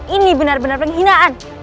ini benar benar penghinaan